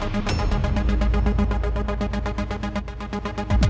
saya memikirkannya screws nya